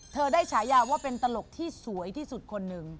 ได้ฉายาว่าเป็นตลกที่สวยที่สุดคนหนึ่ง